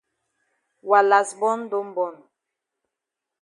Wa kas born don born.